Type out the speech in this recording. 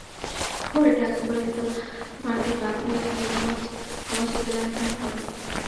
পরে ট্রাকে করে এসব মাটি বাকলিয়ার নূরনগর আবাসিক এলাকায় রাখা হবে।